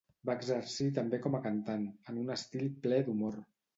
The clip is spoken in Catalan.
Va exercir també com a cantant, en un estil ple d'humor.